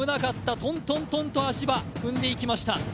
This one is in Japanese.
トントントンと足場、踏んでいきました。